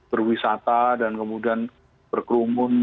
berwisata dan kemudian berkerumun